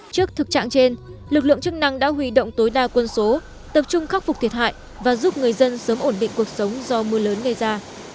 trước thực trạng trên lực lượng chức năng đã huy động tối đa quân số tập trung khắc phục thiệt hại và giúp người dân sớm ổn định cuộc sống do mưa lớn gây ra